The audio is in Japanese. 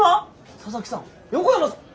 佐々木さん横山さん。